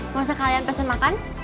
gak usah kalian pesan makan